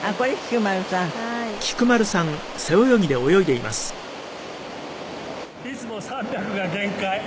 「いつも３００が限界」